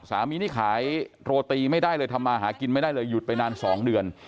นี่ขายโรตีไม่ได้เลยทำมาหากินไม่ได้เลยหยุดไปนาน๒เดือน